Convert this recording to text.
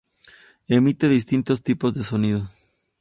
Emite distintos tipos de sonidos.